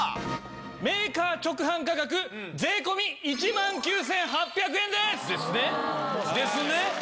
メーカー直販価格税込１万９８００円です！ですねですね。